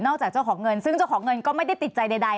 จากเจ้าของเงินซึ่งเจ้าของเงินก็ไม่ได้ติดใจใด